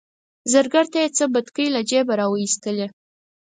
زرګر ته یې څه بتکۍ له جیبه وایستلې.